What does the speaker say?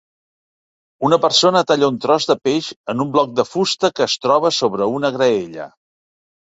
Una persona talla un tros de peix en un bloc de fusta que es troba sobre una graella